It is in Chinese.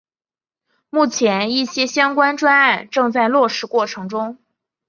目前一些相关专案正在落实过程中。